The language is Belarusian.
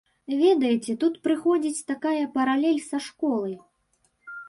Ведаеце, тут прыходзіць такая паралель са школай.